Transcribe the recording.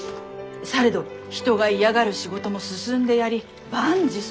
されど人が嫌がる仕事も進んでやり万事そつがない。